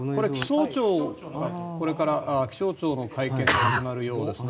これから気象庁の会見が始まるようですね。